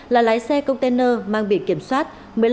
là lái xe container mang biển kiểm soát